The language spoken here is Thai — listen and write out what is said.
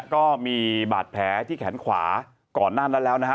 ก็มีบาดแผลที่แขนขวาก่อนหน้านั้นแล้วนะฮะ